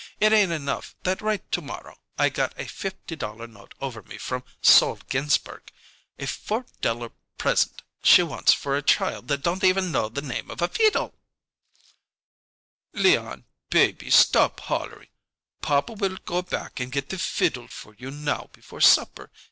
It ain't enough that right to morrow I got a fifty dollar note over me from Sol Ginsberg; a four dollar present she wants for a child that don't even know the name of a feedle." "Leon, baby, stop hollering. Papa will go back and get the fiddle for you now before supper.